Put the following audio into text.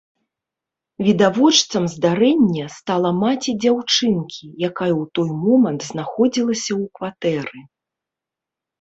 Відавочцам здарэння стала маці дзяўчынкі, якая ў той момант знаходзілася ў кватэры.